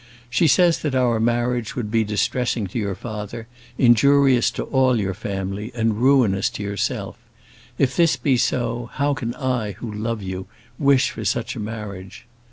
She says, that our marriage would be distressing to your father, injurious to all your family, and ruinous to yourself. If this be so, how can I, who love you, wish for such a marriage?